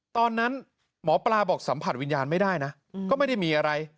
ตอนนั้นหมอปลาบอกสัมผัสวิญญาณไม่ได้นะก็ไม่ได้มีอะไร